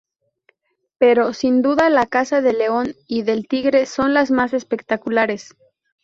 Pero, sin duda, la caza del león y del tigre son las más espectaculares.